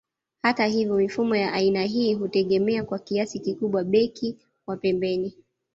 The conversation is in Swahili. Hata hivyo mifumo ya aina hii hutegemea kwa kiasi kikubwa beki wa pembeni